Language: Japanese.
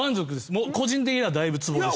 もう個人的にはだいぶツボでした。